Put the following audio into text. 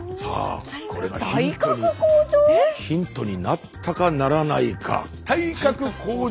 ヒントになったかならないか。体格向上！